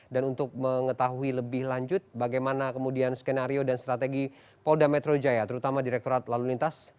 dan untuk mengetahui lebih lanjut bagaimana kemudian skenario dan strategi polda metro jaya terutama direkturat lalu lintas